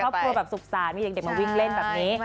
ก็อยากให้ครอบครัวสุขสารมีเด็กมาวิ่งเล่นแบบนี้